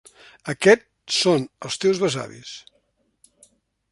Aquest són els teus besavis.